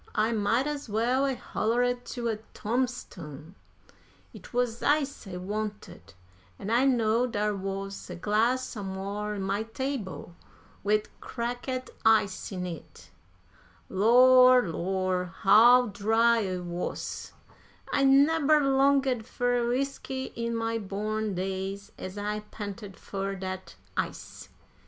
I might as well 'a hollered to a tombstone! It wuz ice I wanted; an' I knowed dar wuz a glass somewhar on my table wid cracked ice in it. Lor'! Lor'! how dry I wuz! I neber longed fer whiskey in my born days ez I panted fur dat ice.